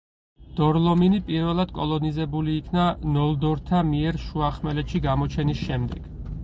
დორ-ლომინი პირველად კოლონიზებული იქნა ნოლდორთა მიერ, შუახმელეთში გამოჩენის შემდეგ.